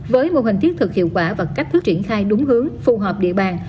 với mô hình thiết thực hiệu quả và cách thức triển khai đúng hướng phù hợp địa bàn